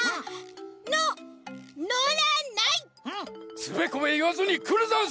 つべこべいわずにくるざんす！